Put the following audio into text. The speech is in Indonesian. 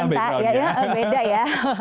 tentara ya beda ya